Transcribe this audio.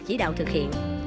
chỉ đạo thực hiện